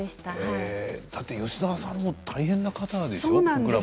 だって吉田さんも大変な方でしょう？